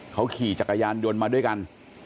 เขาขี่จักรยานยนต์มาด้วยกัน